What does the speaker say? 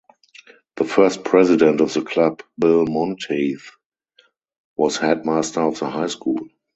The first President of the club Bill Monteith was headmaster of the High School.